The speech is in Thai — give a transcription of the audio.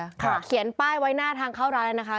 เขียนป้ายไว้หน้าทางเข้าร้านแล้วนะคะ